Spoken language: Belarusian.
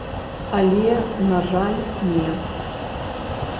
Але, на жаль, не.